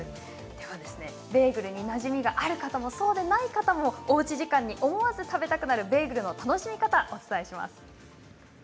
ベーグルになじみがある方も、ない方もおうち時間に思わず食べたくなるベーグルの楽しみ方をご紹介します。